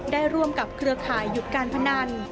ร่วมกับเครือข่ายหยุดการพนัน